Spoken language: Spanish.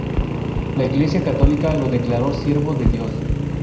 La Iglesia Católica lo declaró Siervo de Dios.